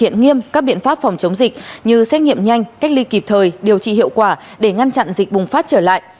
thực hiện nghiêm các biện pháp phòng chống dịch như xét nghiệm nhanh cách ly kịp thời điều trị hiệu quả để ngăn chặn dịch bùng phát trở lại